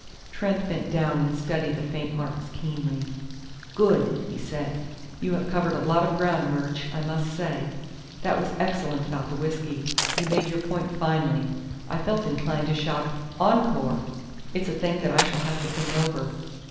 Trent bent down and studied the faint marks keenly. "Good!" he said. "You have covered a lot of ground, Murch, I must say. That was excellent about the whisky you made your point finely. I felt inclined to shout 'Encore!' It's a thing that I shall have to think over."